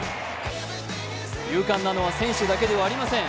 勇敢なのは選手だけではありません。